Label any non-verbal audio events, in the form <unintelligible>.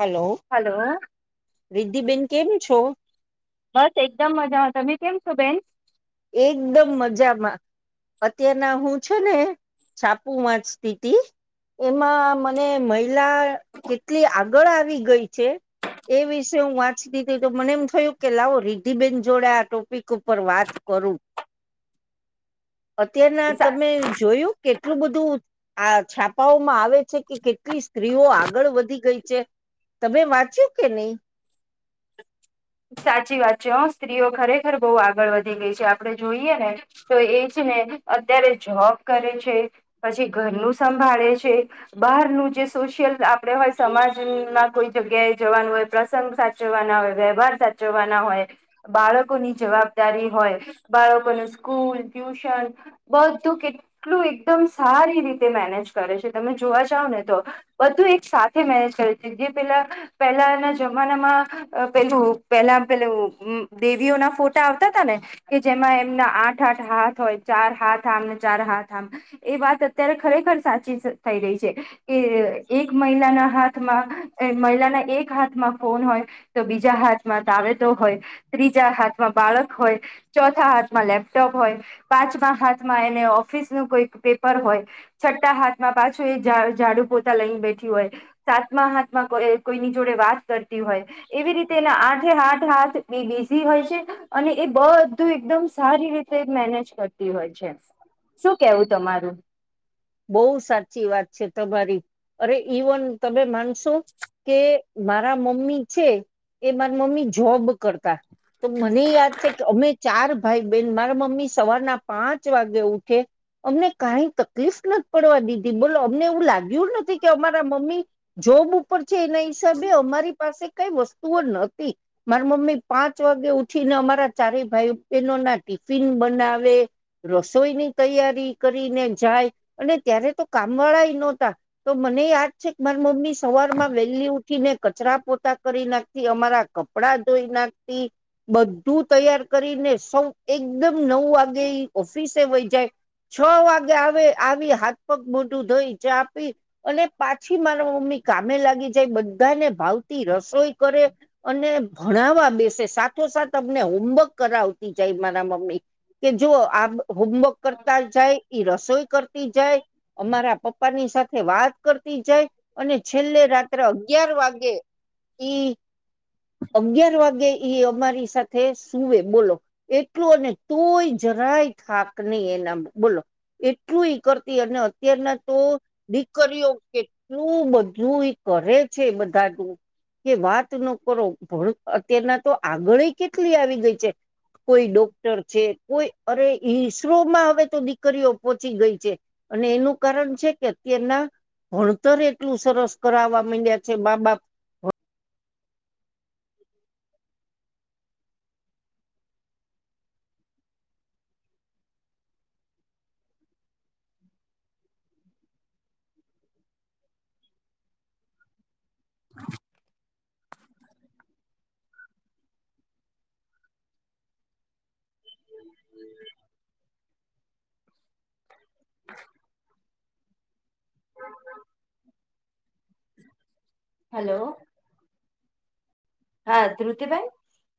Hello રિદ્ધિબેન કેમ છો બસ એકદમ મજામાં તમે કેમ છો બેન એકદમ મજામાં અત્યારના હું છે ને છાપુ વાંચતી તી તી એમાં મને મહિલા કેટલી આગળ આવી ગઈ છે એ વિશે હું વાંચતી હતી તો મને એમ થયું કે લાવો રિદ્ધિબેન જોડે આ ટોપિક ઉપર વાત કરું અત્યારના તમે જોયું કેટલું બધું આ છાપાઓમાં આવે છે કે કેટલી સ્ત્રીઓ આગળ વધી ગઈ છે તમે વાંચ્યું કે નહી સાચી વાત છે હ સ્ત્રીઓ ખરેખર બહુ આગળ વધી ગઈ છે આપડે જોઈએ ને તો એ છે ને અત્યારે જોબ કરે છે પછી ઘરનું સંભાળે છે બહારનું જે સોશિયલ આપડે હોય સમાજ ના કોઈ જગ્યાએ જવાનું હોય પ્રસંગ સાચવાના હોય વ્યવહાર સાચ ચવાના હોય બાળકોની જવાબદારી હોય બાળકોનું સ્કૂલ ટ્યુશન બધું કેટલું એકદમ સારી રીતે મેનેજ કરે છે તમે જોવા જાવને તો બધું એક સાથે મેનેજ કરે છે જે પેલા પહેલાના જમાનામાં અ પેલું પેલા પેલુ દેવીઓના ફોટા આવતા હતા ને કે જેમાં એમના આઠ આઠ હાથ હોય ચાર હાથ આમને ચાર હાથ આમ એ વાત અત્યારે ખરેખર સાચી થઈ રહી છે કે એક મહિલાના હાથમાં અ મહિલાના એક હાથમાં ફોન હોય તો બીજા હાથ મા તાવેટો હોય ત્રીજા હાથમાં બાળક હોય ચોથા હાથમાં લેપટોપ હોય પાંચમા હાથમાં એને ઓફિસ નું કોઈ પેપર હોય છઠ્ઠા હાથમાં પાછું એ જાડ જાડુ પોતા લઈને બેઠી હોય સાતમા હાથમાં કોઈ કોઈની જોડે વાત કરતી હોય એવી રીતે એના આઠ ઠે હાથ હાથ બી બીઝી હોય છે અને એ બધું એકદમ સારી રીતે મેનેજ કરતી હોય છે શું કેવું તમારું. બો સાચી વાત છે તમારી અરે ઇવન તમે માન શું કે મારા મમ્મી છે એ મારી મમ્મી જોબ કરતા તો મને યાદ છે કે અમે ચાર ભાઈ બહેન મારા મમ્મી સવારના પાંચ વાગે ઉઠે, અમને કાંઈ તક લીફ નથ પડવા દીધી, બોલો અમને એવું લાગ્યું નથી કે અમારા મમ્મી જોબ ઉપર છે એના હિસાબે અમારી પાસે કંઈ વસ્તુઓ નથી. મારા મમ્મી પાંચ વાગે ઉઠીને અમારા ચારેય ભાઈ બહેનો ના ટિફિન બનાવે, રસોઈની તૈયારી કરીને જાય અને ત્યારે તો કામ વાળાએય નહોતા. તો મને યાદ છે કે માર મમ્મી સવારમાં વહેલી ઉઠીને કચરા પોતા કરી નાખ તી, અમારા કપડા ધોઈ નાખતી, બધું તૈયાર કરીને સૌ એકદમ નવ વાગે ઓફિસે ઈ વઈ જાય, છ વાગે આવે આવી, હાથ પગ મોઢું ધોઈ, ચા પી અને પાછી મારા મમ્મી કામે લાગી જાય, બધાયને ભાવતી રસોઈ કરે, અને ભણાવા બેસે. સાથોસાથ અમને હોમવર્ક કરાવતી જાય મારા મમ્મી, કે જો આમ હોમવર્ક કરતા જાય ઈ રસોઈ તી જાય, અમારા પપ્પાની સાથે વાત કરતી જાય, અને છેલ્લે રાત્રે અગિયાર વાગે, ઈ અગિયાર વાગે ઈ અમારી સાથે સુવે બોલો. એટલું અને તોય જરાય થાક નહીં એનામાં બોલો. એટલું ઈ કરતી અને અત્યારના તો દીકરીઓ કેટલું બધું ઈ કરે છે બધાનું, કે વાત ન કરો, ભણ અત્યારના તો આગળએય કેટલી આવી ગઈ છે, કોઈ ડોક્ટર છે, કોઈ અરે ઈસરોમાં હવે તો દીકરીઓ પહોંચી ગઈ છે. અને એનું કારણ છે કે અત્યારના ભણતર એટલું સરસ કરાવા મંડયા છે માં-બાપ. <unintelligible> <inaudible> <inaudible> હેલો. હા ધ્રુતિબેન?